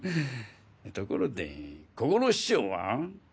ところで小五郎師匠は？